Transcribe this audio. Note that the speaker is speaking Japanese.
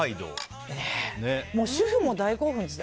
主婦も大興奮です。